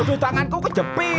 aduh tanganku kejepit